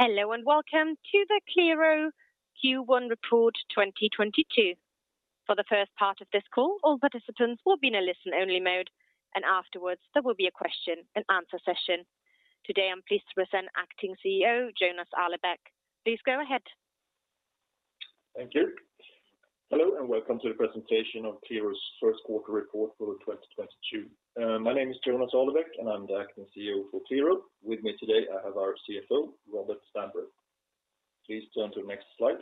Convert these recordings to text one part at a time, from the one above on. Hello and welcome to the Qliro Q1 Report 2022. For the first part of this call, all participants will be in a listen only mode, and afterwards there will be a question and answer session. Today, I'm pleased to present Acting CEO, Jonas Arlebäck. Please go ahead. Thank you. Hello, and welcome to the presentation of Qliro's First Quarter Report for 2022. My name is Jonas Arlebäck, and I'm the Acting CEO for Qliro. With me today, I have our CFO, Robert Stambro. Please turn to the next slide.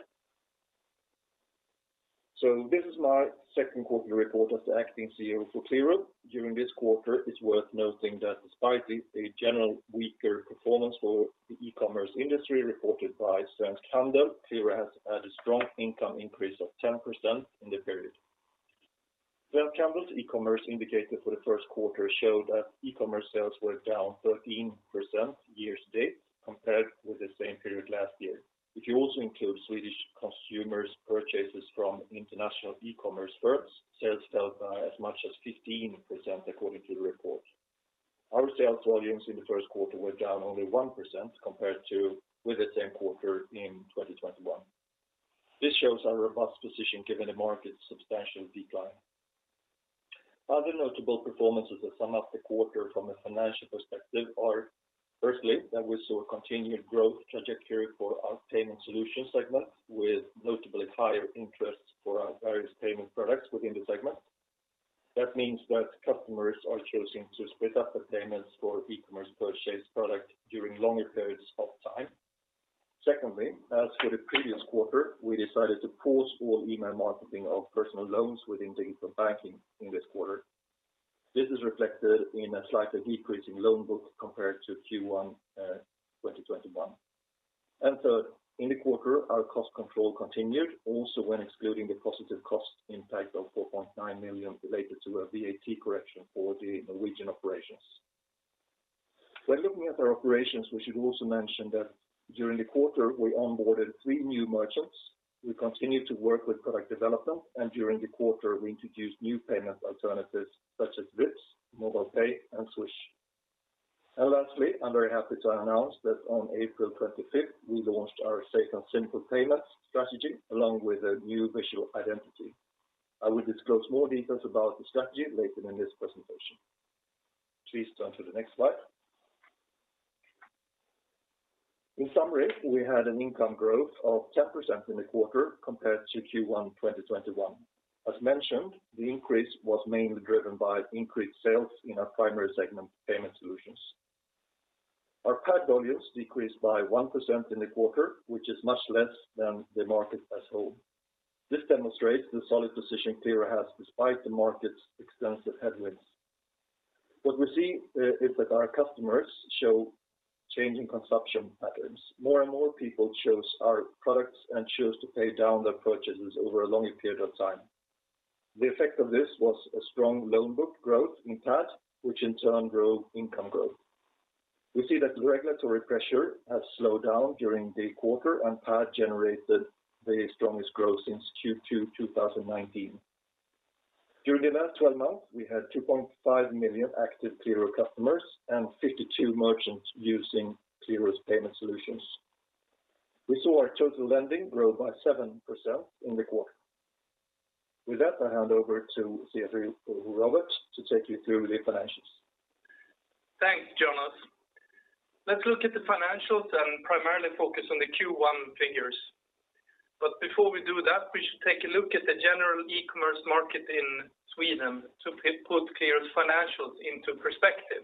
This is my second quarter report as the Acting CEO for Qliro. During this quarter, it's worth noting that despite the general weaker performance for the e-commerce industry reported by Svensk Handel, Qliro has had a strong income increase of 10% in the period. Svensk Handel e-commerce indicator for the first quarter showed that e-commerce sales were down 13% year-to-date compared with the same period last year. If you also include Swedish consumers' purchases from international e-commerce firms, sales fell by as much as 15% according to the report. Our sales volumes in the first quarter were down only 1% compared to with the same quarter in 2021. This shows our robust position given the market's substantial decline. Other notable performances that sum up the quarter from a financial perspective are firstly, that we saw a continued growth trajectory for our payment solution segment, with notably higher interest for our various payment products within the segment. That means that customers are choosing to split up the payments for e-commerce purchased product during longer periods of time. Secondly, as for the previous quarter, we decided to pause all email marketing of personal loans within the digital banking in this quarter. This is reflected in a slight decrease in loan book compared to Q1, 2021. Third, in the quarter, our cost control continued also when excluding the positive cost impact of 4.9 million related to a VAT correction for the Norwegian operations. When looking at our operations, we should also mention that during the quarter, we onboarded three new merchants. We continued to work with product development, and during the quarter, we introduced new payment alternatives such as Vipps, MobilePay, and Swish. Lastly, I'm very happy to announce that on April 25th, we launched our Safe and Simple Payments strategy along with a new visual identity. I will disclose more details about the strategy later in this presentation. Please turn to the next slide. In summary, we had an income growth of 10% in the quarter compared to Q1 2021. As mentioned, the increase was mainly driven by increased sales in our primary segment payment solutions. Our PAD volumes decreased by 1% in the quarter, which is much less than the market as a whole. This demonstrates the solid position Qliro has despite the market's extensive headwinds. What we see is that our customers show change in consumption patterns. More and more people choose our products and choose to pay down their purchases over a longer period of time. The effect of this was a strong loan book growth in PAD, which in turn drove income growth. We see that the regulatory pressure has slowed down during the quarter and PAD generated the strongest growth since Q2 2019. During the last 12months, we had 2.5 million active Qliro customers and 52 merchants using Qliro's payment solutions. We saw our total lending grow by 7% in the quarter. With that, I hand over to CFO Robert Stambro to take you through the financials. Thanks, Jonas. Let's look at the financials and primarily focus on the Q1 figures. Before we do that, we should take a look at the general e-commerce market in Sweden to put Qliro's financials into perspective.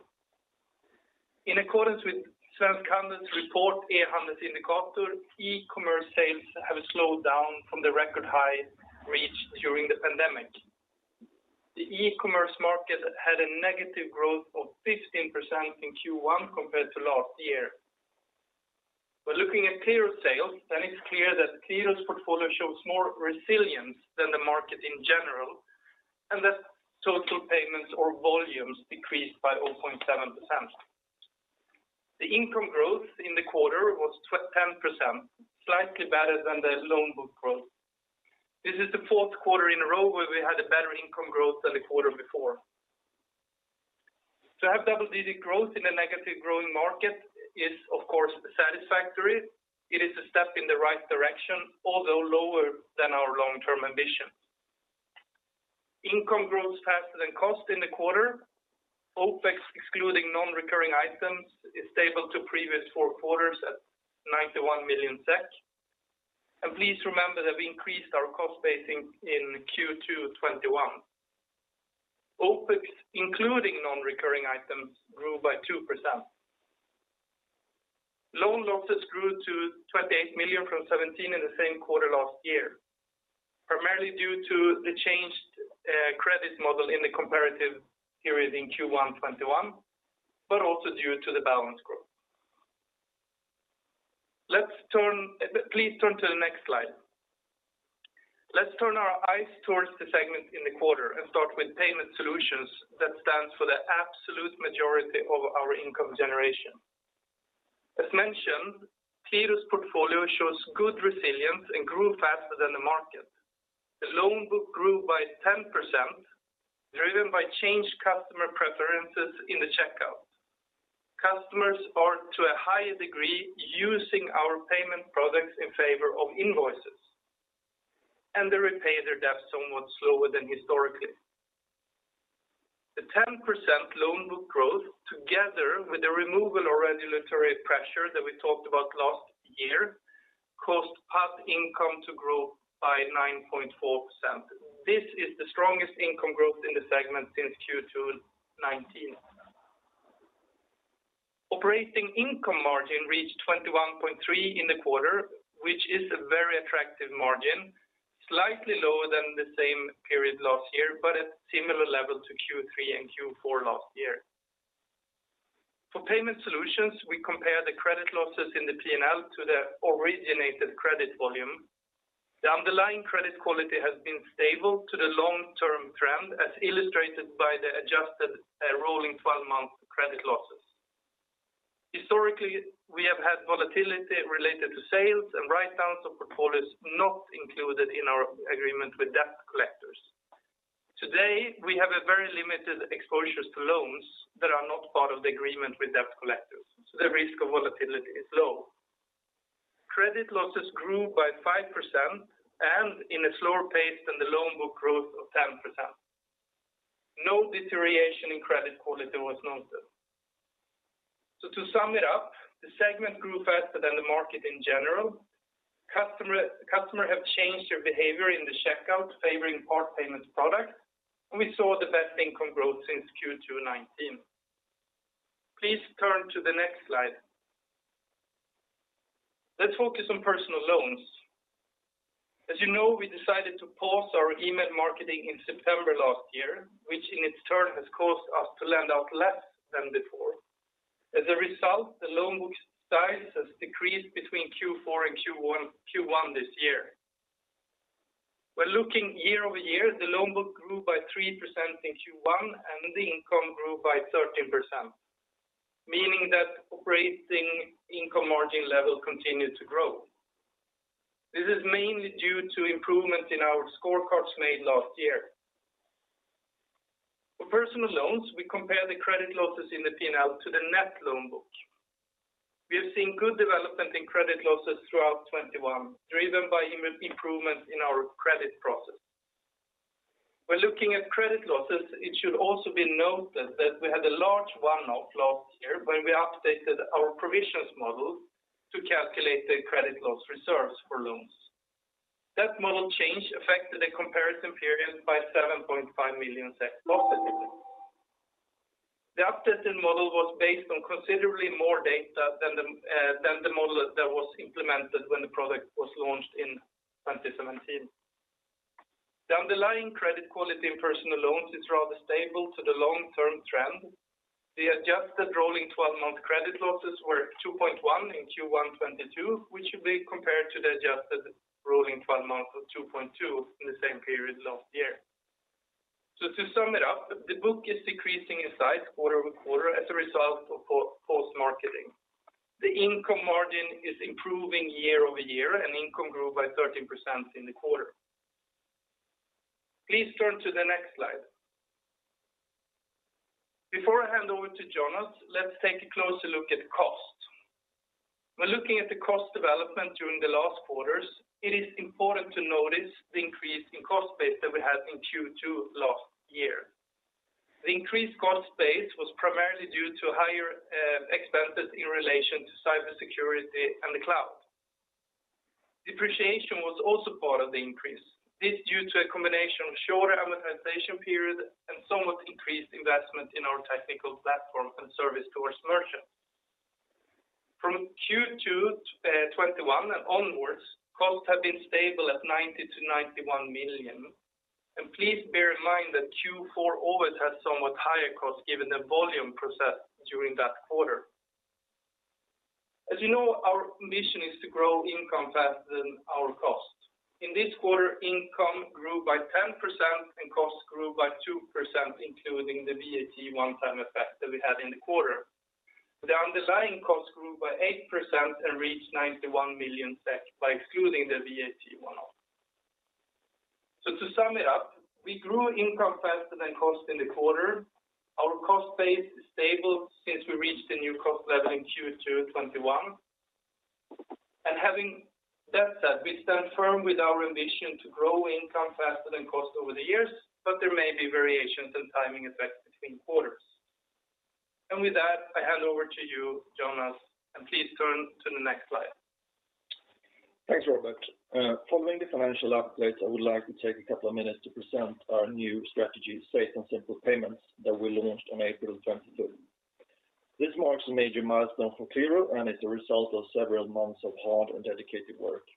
In accordance with Svensk Handel's report, E-handelsindikator, e-commerce sales have slowed down from the record high reached during the pandemic. The e-commerce market had a negative growth of 15% in Q1 compared to last year. Looking at Qliro sales, then it's clear that Qliro's portfolio shows more resilience than the market in general, and that total payments or volumes decreased by 0.7%. The income growth in the quarter was 10%, slightly better than the loan book growth. This is the fourth quarter in a row where we had a better income growth than the quarter before. To have double-digit growth in a negative growing market is, of course, satisfactory. It is a step in the right direction, although lower than our long-term ambition. Income grows faster than cost in the quarter. OpEx, excluding non-recurring items, is stable to previous four quarters at 91 million SEK. Please remember that we increased our cost base in Q2 2021. OpEx, including non-recurring items, grew by 2%. Loan losses grew to 28 million from 17 million in the same quarter last year, primarily due to the changed credit model in the comparative period in Q1 2021, but also due to the balance growth. Please turn to the next slide. Let's turn our eyes towards the segment in the quarter and start with payment solutions that stands for the absolute majority of our income generation. As mentioned, Qliro's portfolio shows good resilience and grew faster than the market. The loan book grew by 10%. Driven by changed customer preferences in the checkout. Customers are to a higher degree using our payment products in favor of invoices, and they repay their debts somewhat slower than historically. The 10% loan book growth, together with the removal of regulatory pressure that we talked about last year, caused PAD income to grow by 9.4%. This is the strongest income growth in the segment since Q2 2019. Operating income margin reached 21.3% in the quarter, which is a very attractive margin, slightly lower than the same period last year, but at similar level to Q3 and Q4 last year. For payment solutions, we compare the credit losses in the P&L to the originated credit volume. The underlying credit quality has been stable to the long-term trend, as illustrated by the adjusted rolling 12-month credit losses. Historically, we have had volatility related to sales and write-downs of portfolios not included in our agreement with debt collectors. Today, we have a very limited exposure to loans that are not part of the agreement with debt collectors, so the risk of volatility is low. Credit losses grew by 5% and in a slower pace than the loan book growth of 10%. No deterioration in credit quality was noted. To sum it up, the segment grew faster than the market in general. Customers have changed their behavior in the checkout favoring part payment product, and we saw the best income growth since Q2 2019. Please turn to the next slide. Let's focus on personal loans. As you know, we decided to pause our email marketing in September last year, which in its turn has caused us to lend out less than before. As a result, the loan book size has decreased between Q4 and Q1 this year. When looking year-over-year, the loan book grew by 3% in Q1, and the income grew by 13%, meaning that operating income margin level continued to grow. This is mainly due to improvement in our scorecards made last year. For personal loans, we compare the credit losses in the P&L to the net loan book. We have seen good development in credit losses throughout 2021, driven by improvement in our credit process. When looking at credit losses, it should also be noted that we had a large one-off last year when we updated our provisions model to calculate the credit loss reserves for loans. That model change affected the comparison period by 7.5 million positively. The updated model was based on considerably more data than the model that was implemented when the product was launched in 2017. The underlying credit quality in personal loans is rather stable to the long-term trend. The adjusted rolling 12-month credit losses were 2.1% in Q1 2022, which should be compared to the adjusted rolling 12-month of 2.2% in the same period last year. To sum it up, the book is decreasing in size quarter-over-quarter as a result of paused marketing. The income margin is improving year-over-year, and income grew by 13% in the quarter. Please turn to the next slide. Before I hand over to Jonas, let's take a closer look at costs. When looking at the cost development during the last quarters, it is important to notice the increase in cost base that we had in Q2 last year. The increased cost base was primarily due to higher expenses in relation to cybersecurity and the cloud. Depreciation was also part of the increase. This due to a combination of shorter amortization period and somewhat increased investment in our technical platform and service towards merchants. From Q2 2021 onwards, costs have been stable at 90 million-91 million. Please bear in mind that Q4 always has somewhat higher costs given the volume processed during that quarter. As you know, our mission is to grow income faster than our cost. In this quarter, income grew by 10% and costs grew by 2%, including the VAT one-time effect that we had in the quarter. The underlying costs grew by 8% and reached 91 million by excluding the VAT one-off. To sum it up, we grew income faster than cost in the quarter. Our cost base is stable since we reached the new cost level in Q2 2021. Having that said, we stand firm with our ambition to grow income faster than cost over the years, but there may be variations and timing effects between quarters. With that, I hand over to you, Jonas, and please turn to the next slide. Thanks, Robert. Following the financial update, I would like to take a couple of minutes to present our new strategy, Safe and Simple Payments, that we launched on April of 2023. This marks a major milestone for Qliro and is a result of several months of hard and dedicated work.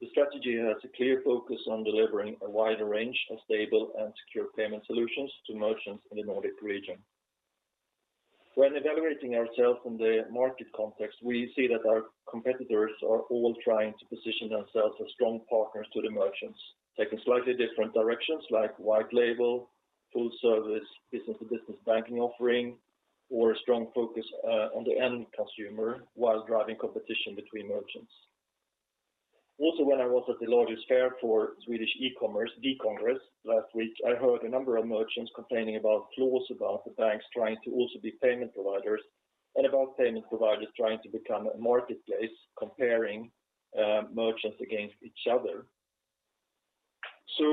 The strategy has a clear focus on delivering a wider range of stable and secure payment solutions to merchants in the Nordic region. When evaluating ourselves in the market context, we see that our competitors are all trying to position themselves as strong partners to the merchants, taking slightly different directions like white label, full service, business-to-business banking offering, or a strong focus on the end consumer while driving competition between merchants. Also, when I was at the largest fair for Swedish e-commerce, D-Congress, last week, I heard a number of merchants complaining about flaws about the banks trying to also be payment providers and about payment providers trying to become a marketplace comparing merchants against each other.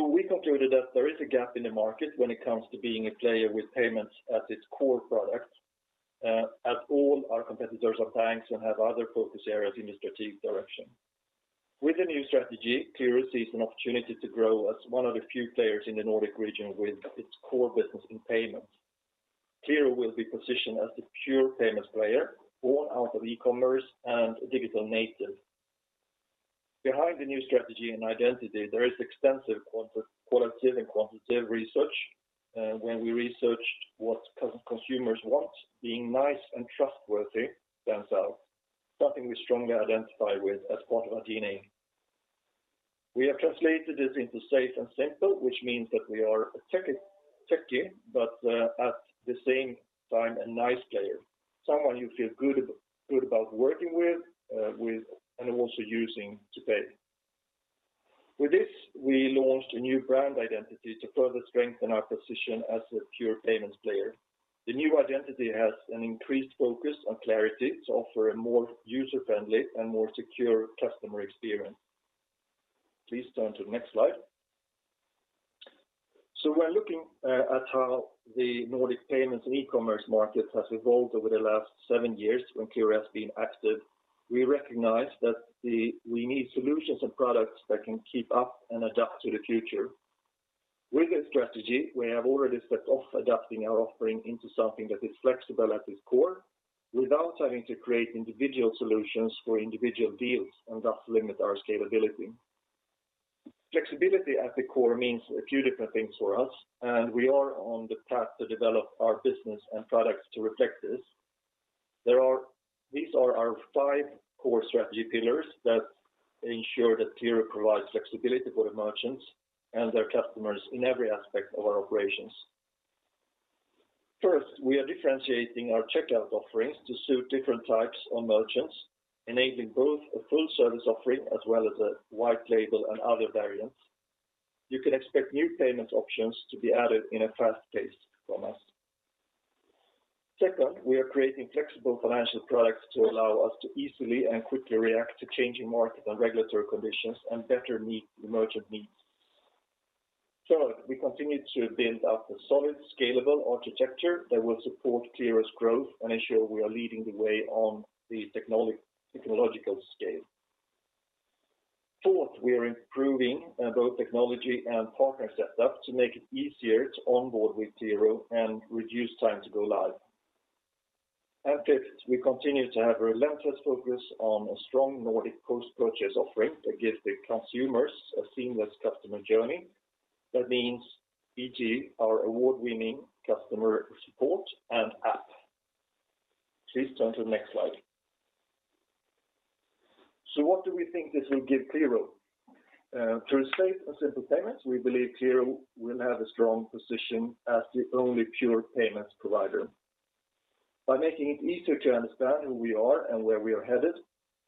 We concluded that there is a gap in the market when it comes to being a player with payments as its core product, as all our competitors are banks and have other focus areas in a strategic direction. With the new strategy, Qliro sees an opportunity to grow as one of the few players in the Nordic region with its core business in payments. Qliro will be positioned as the pure payments player born out of e-commerce and a digital native. Behind the new strategy and identity, there is extensive qualitative and quantitative research. When we researched what consumers want, being nice and trustworthy stands out, something we strongly identify with as part of our DNA. We have translated this into safe and simple, which means that we are a techy but at the same time a nice player, someone you feel good about working with and also using to pay. With this, we launched a new brand identity to further strengthen our position as a pure payments player. The new identity has an increased focus on clarity to offer a more user-friendly and more secure customer experience. Please turn to the next slide. When looking at how the Nordic payments and e-commerce market has evolved over the last seven years when Qliro has been active, we recognize that we need solutions and products that can keep up and adapt to the future. With this strategy, we have already set off adapting our offering into something that is flexible at its core without having to create individual solutions for individual deals and thus limit our scalability. Flexibility at the core means a few different things for us, and we are on the path to develop our business and products to reflect this. These are our five core strategy pillars that ensure that Qliro provides flexibility for the merchants and their customers in every aspect of our operations. First, we are differentiating our checkout offerings to suit different types of merchants, enabling both a full service offering as well as a white label and other variants. You can expect new payment options to be added in a fast pace from us. Second, we are creating flexible financial products to allow us to easily and quickly react to changing market and regulatory conditions and better meet the merchant needs. Third, we continue to build up a solid, scalable architecture that will support Qliro's growth and ensure we are leading the way on the technological scale. Fourth, we are improving both technology and partner setup to make it easier to onboard with Qliro and reduce time to go live. Fifth, we continue to have relentless focus on a strong Nordic post-purchase offering that gives the consumers a seamless customer journey. That means e.g. our award-winning customer support and app. Please turn to the next slide. What do we think this will give Qliro? Through Safe and Simple Payments, we believe Qliro will have a strong position as the only pure payments provider. By making it easier to understand who we are and where we are headed,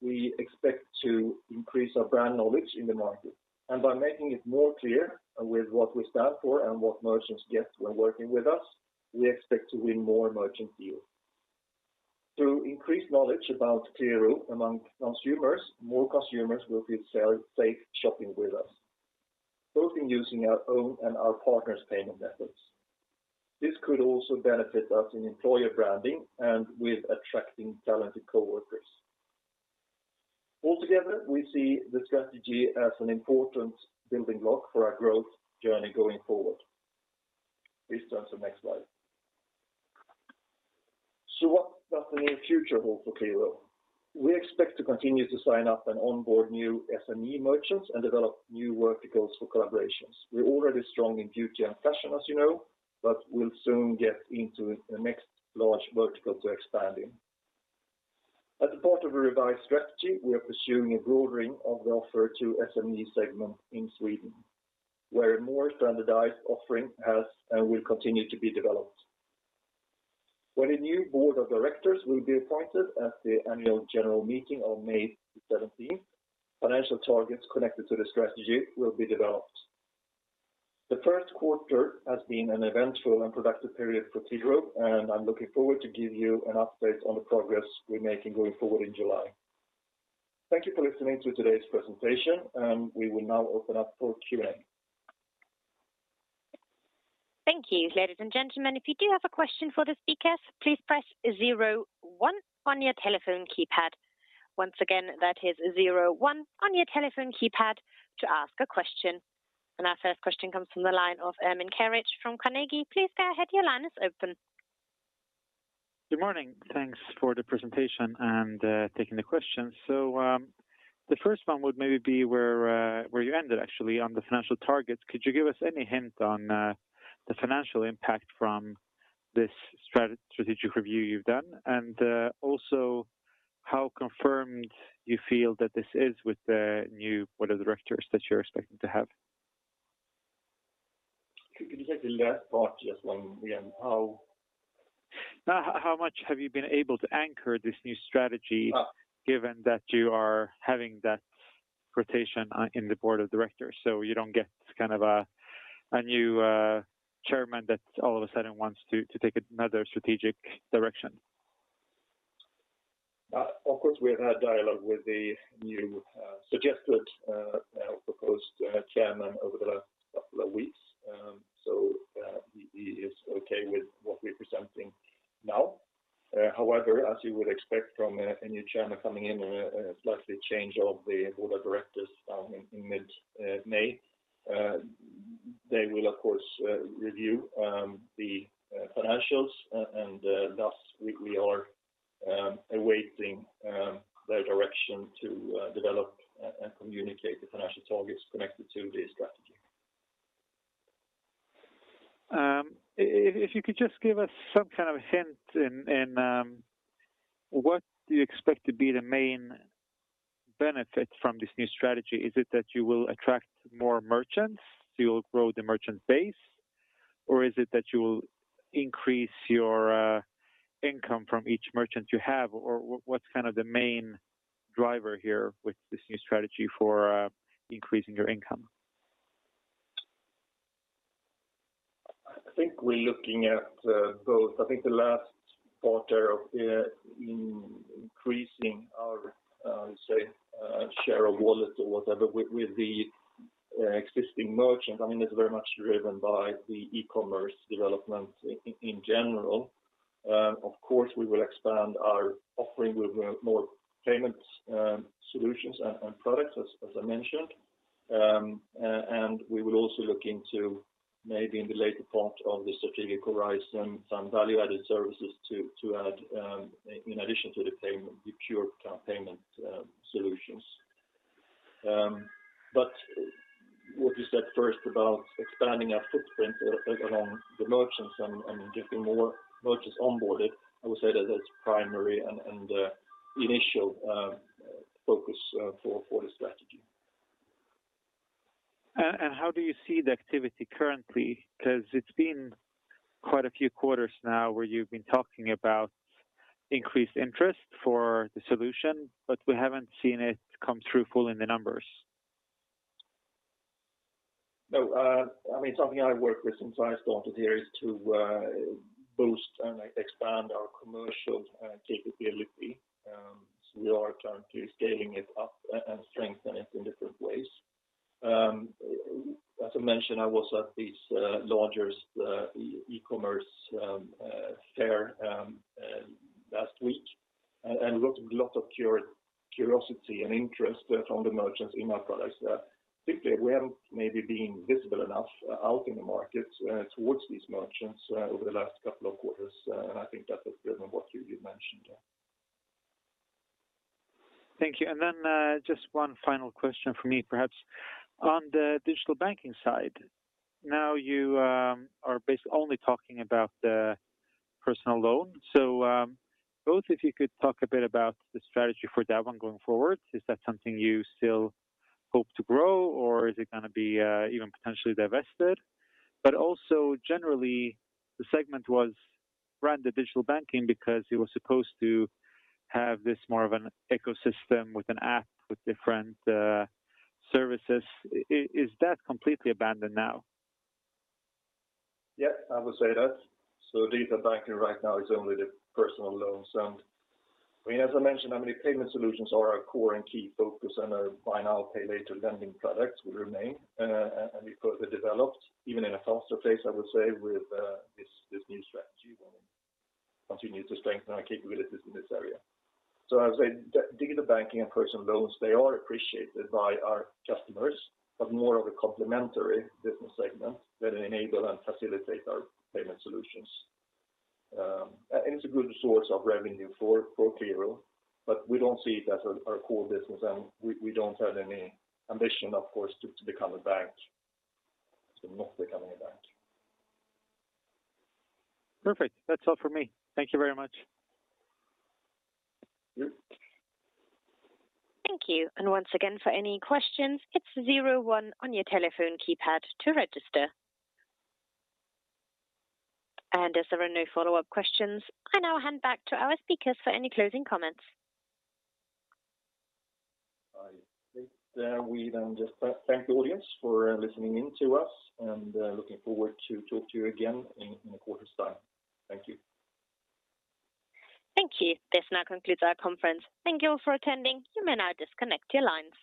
we expect to increase our brand knowledge in the market. By making it more clear with what we stand for and what merchants get when working with us, we expect to win more merchant deals. Through increased knowledge about Qliro among consumers, more consumers will feel safe shopping with us, both in using our own and our partners' payment methods. This could also benefit us in employer branding and with attracting talented coworkers. Altogether, we see the strategy as an important building block for our growth journey going forward. Please turn to the next slide. What does the near future hold for Qliro? We expect to continue to sign up and onboard new SME merchants and develop new verticals for collaborations. We're already strong in beauty and fashion, as you know, but we'll soon get into the next large vertical to expand in. As part of a revised strategy, we are pursuing a broadening of the offer to SME segment in Sweden, where a more standardized offering has and will continue to be developed. When a new board of directors will be appointed at the annual general meeting on May 17th, financial targets connected to the strategy will be developed. The first quarter has been an eventful and productive period for Qliro, and I'm looking forward to give you an update on the progress we're making going forward in July. Thank you for listening to today's presentation, and we will now open up for Q&A. Thank you. Ladies and gentlemen, if you do have a question for the speakers, please press zero one on your telephone keypad. Once again, that is zero one on your telephone keypad to ask a question. Our first question comes from the line of Ermin Keric from Carnegie. Please go ahead. Your line is open. Good morning. Thanks for the presentation and taking the questions. The first one would maybe be where you ended actually on the financial targets. Could you give us any hint on the financial impact from this strategic review you've done? Also how confirmed you feel that this is with the new board of directors that you're expecting to have? I think it's a last part just one again how- Now, how much have you been able to anchor this new strategy? Yeah. Given that you are having that rotation in the board of directors, so you don't get kind of a new chairman that all of a sudden wants to take another strategic direction? Of course, we have had dialogue with the new suggested now proposed chairman over the last couple of weeks. He is okay with what we're presenting now. However, as you would expect from a new chairman coming in and a likely change of the board of directors, in mid May, they will of course review the financials and thus we are awaiting their direction to develop and communicate the financial targets connected to the strategy. If you could just give us some kind of hint in what you expect to be the main benefit from this new strategy? Is it that you will attract more merchants, so you'll grow the merchant base? Or is it that you'll increase your income from each merchant you have, or what's kind of the main driver here with this new strategy for increasing your income? I think we're looking at both. I think the last quarter of increasing our say share of wallet or whatever with the existing merchant, I mean, is very much driven by the e-commerce development in general. Of course, we will expand our offering with more payment solutions and products as I mentioned. We will also look into maybe in the later part of the strategic horizon, some value-added services to add in addition to the payment, the pure payment solutions. What you said first about expanding our footprint along the merchants and getting more merchants onboarded, I would say that's primary and initial focus for the strategy. How do you see the activity currently? Because it's been quite a few quarters now where you've been talking about increased interest for the solution, but we haven't seen it come through full in the numbers. No, I mean, something I've worked with since I started here is to boost and, like, expand our commercial capability. We are currently scaling it up and strengthening it in different ways. As I mentioned, I was at this larger e-commerce fair last week and saw a lot of curiosity and interest from the merchants in our products. I think we haven't maybe been visible enough out in the markets towards these merchants over the last couple of quarters, and I think that has driven what you mentioned, yeah. Thank you. Just one final question from me, perhaps. On the digital banking side, now you are only talking about the personal loan. Both of you could talk a bit about the strategy for that one going forward. Is that something you still hope to grow or is it gonna be even potentially divested? Also, generally, the segment was branded the digital banking because you were supposed to have this more of an ecosystem with an app with different services. Is that completely abandoned now? Yes, I would say that. Digital banking right now is only the personal loans. I mean, as I mentioned, payment solutions are our core and key focus and our buy now, pay later lending products will remain and be further developed even in a faster pace, I would say, with this new strategy. We'll continue to strengthen our capabilities in this area. As I say, digital banking and personal loans, they are appreciated by our customers, but more of a complementary business segment that enable and facilitate our payment solutions. It's a good source of revenue for Qliro, but we don't see it as our core business and we don't have any ambition, of course, to become a bank. Not becoming a bank. Perfect. That's all for me. Thank you very much. Yeah. Thank you. Once again, for any questions, it's 01 on your telephone keypad to register. As there are no follow-up questions, I now hand back to our speakers for any closing comments. I think, we then just thank the audience for listening in to us and looking forward to talk to you again in a quarter's time. Thank you. Thank you. This now concludes our conference. Thank you all for attending. You may now disconnect your lines.